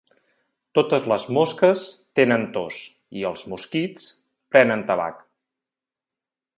Totes les mosques tenen tos i els mosquits prenen tabac.